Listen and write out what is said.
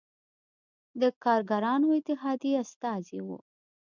د کارګرانو اتحادیې استازی و.